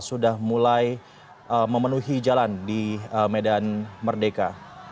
sudah mulai memenuhi jalan di medan merdeka